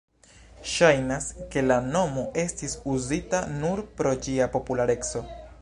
Ŝajnas, ke la nomo estis uzita nur pro ĝia populareco.